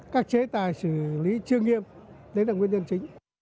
các chế tài xử lý chưa nghiêm đấy là nguyên nhân chính